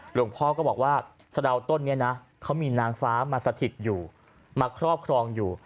หลวงพ่อก็บอกว่าสะดาวต้นนี้นะเขามีนางฟ้ามาสถิตอยู่มาครอบครองอยู่